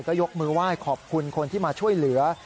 ก็ยกมือไหว้ขอบคุณคนที่มาช่วยเหลือ